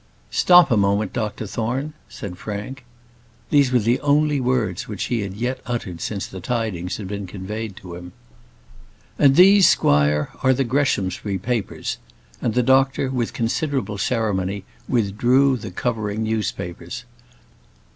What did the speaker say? "Stop a moment, Dr Thorne," said Frank. These were the only words which he had yet uttered since the tidings had been conveyed to him. "And these, squire, are the Greshamsbury papers:" and the doctor, with considerable ceremony, withdrew the covering newspapers.